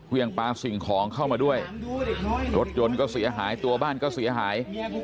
ปลาสิ่งของเข้ามาด้วยรถยนต์ก็เสียหายตัวบ้านก็เสียหาย